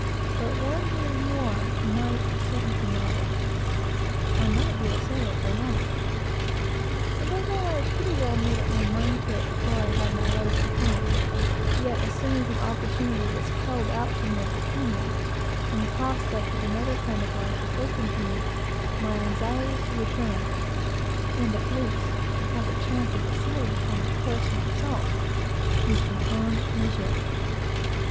But one year more would settle the matter. I should be a sailor for life; and although I had made up my mind to it before I had my letters from home, and was, as I thought, quite satisfied; yet, as soon as an opportunity was held out to me of returning, and the prospect of another kind of life was opened to me, my anxiety to return, and, at least, to have the chance of deciding upon my course for myself, was beyond measure.